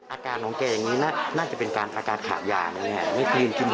อาการของเก่งนี้น่าจะเป็นอาการขาดยาอย่างนี้ไม่คือยืนกินยา